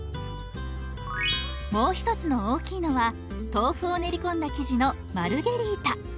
もう一つの大きいのは豆腐を練り込んだ生地のマルゲリータ。